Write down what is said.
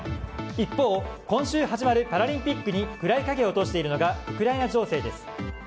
一方、今週始まるパラリンピックに暗い影を落としているのがウクライナ情勢です。